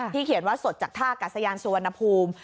เขียนว่าสดจากท่ากัศยานสุวรรณภูมิ